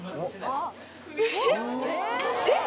えっ？